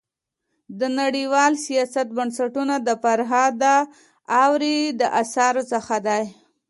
د نړيوال سیاست بنسټونه د فرهاد داوري د اثارو څخه دی.